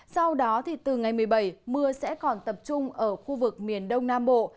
sau đó thì từ ngày một mươi bảy mưa sẽ còn tập trung ở khu vực miền đông nam bộ